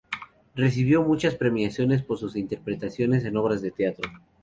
Recibió muchas premiaciones por sus interpretaciones en obras de teatro.